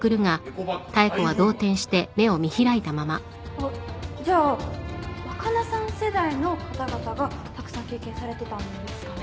あっじゃあ若菜さん世代の方々がたくさん経験されてたんですかね？